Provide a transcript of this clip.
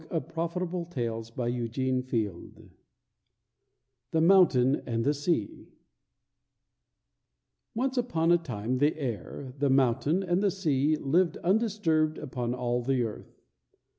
1888. +THE MOUNTAIN AND THE SEA+ THE MOUNTAIN AND THE SEA Once upon a time the air, the mountain, and the sea lived undisturbed upon all the earth.